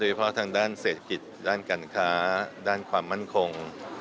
เฉพาะทางด้านเศรษฐกิจด้านการค้าด้านความมั่นคง